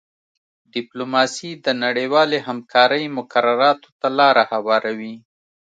ډیپلوماسي د نړیوالې همکارۍ مقرراتو ته لاره هواروي